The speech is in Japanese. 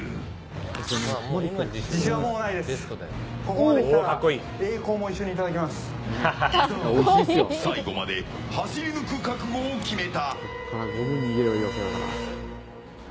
伊沢は、最後まで走り抜く覚悟を決めた。